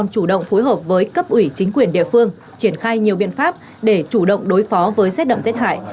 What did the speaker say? cấp ủy chính quyền địa phương triển khai nhiều biện pháp để chủ động đối phó với xét đậm thiệt hại